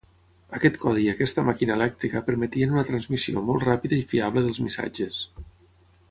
Aquest codi i aquesta màquina elèctrica permetien una transmissió molt ràpida i fiable dels missatges.